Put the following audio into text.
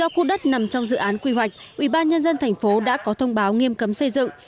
ba khu đất nằm trong dự án quy hoạch ubnd tp đã có thông báo nghiêm cấm xây dựng